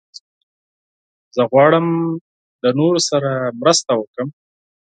زه غواړم له نورو سره مرسته وکړم.